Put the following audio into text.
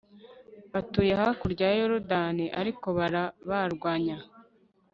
batuye hakurya ya yorudani, ariko barabarwanya